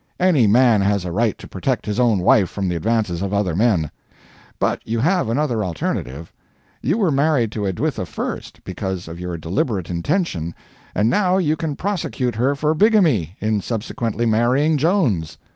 Any man has a right to protect his own wife from the advances of other men. But you have another alternative you were married to Edwitha first, because of your deliberate intention, and now you can prosecute her for bigamy, in subsequently marrying Jones.